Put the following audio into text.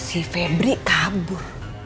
si febri kabur